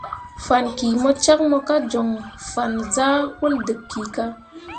Fan ki mo cak mo ka joŋ fan sãh wol dǝb kika.